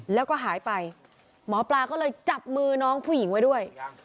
แล้วก็หายไปหมอปลาก็เลยจับมือน้องผู้หญิงไว้ด้วย